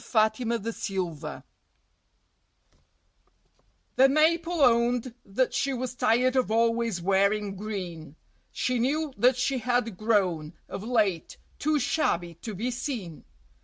AUTUMN FASHIONS The Maple owned that she was tired of always wearing green, She knew that she had grown, of late, too shabby to be seen!